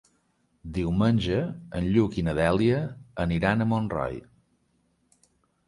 Diumenge en Lluc i na Dèlia aniran a Montroi.